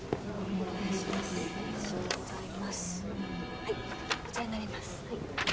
はいこちらになります